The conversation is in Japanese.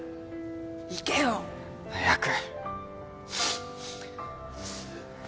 行けよ。早く。